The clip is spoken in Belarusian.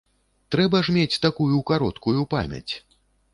Трэба ж мець такую кароткую памяць!